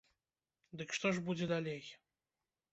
Дык што ж будзе далей?